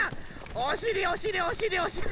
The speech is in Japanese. おしりおしりおしりおしり。